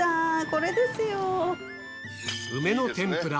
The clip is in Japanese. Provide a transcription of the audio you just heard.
これですよ。